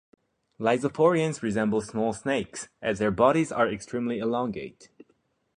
Lysorophians resembled small snakes, as their bodies are extremely elongate.